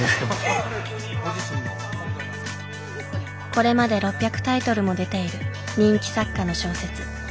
これまで６００タイトルも出ている人気作家の小説。